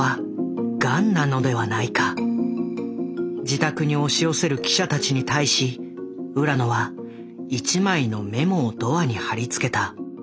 自宅に押し寄せる記者たちに対し浦野は一枚のメモをドアに貼り付けた。